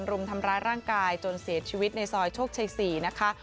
รุมทำร้ายร่างกายจนเสียชีวิตในซอยโชคชัย๔นะคะ